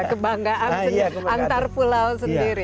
kebanggaan antar pulau sendiri